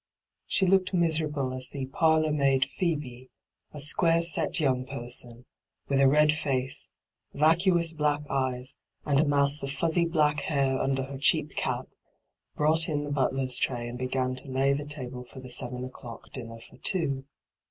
She looked miserable as the ' parlourmaid ' Phrebe, a square set young person, with a red face, vacuous black eyes, and a mass of fuzzy black hair under her cheap cap, brought in the butler's tray and began to lay the table for the seven o'clock dinner for two.